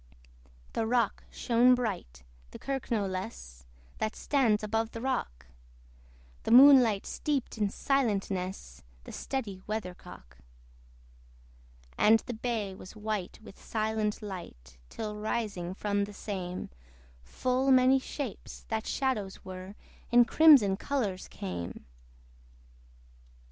The rock shone bright, the kirk no less, That stands above the rock: The moonlight steeped in silentness The steady weathercock. And the bay was white with silent light, Till rising from the same, Full many shapes, that shadows were, In crimson colours came.